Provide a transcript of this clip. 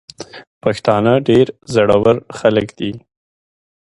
پښتانه ډير زړه ور خلګ دي.